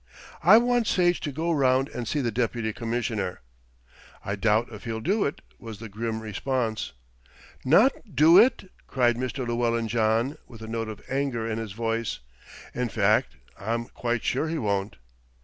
"I want Sage to go round and see the Deputy Commissioner." "I doubt if he'll do it," was the grim response. "Not do it!" cried Mr. Llewellyn John, with a note of anger in his voice. "In fact, I'm quite sure he won't."